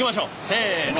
せの。